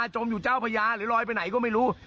หรือรอยไปไหนก็ไม่รู้